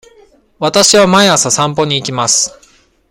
わたしは毎朝散歩に行きます。